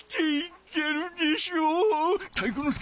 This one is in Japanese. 体育ノ介。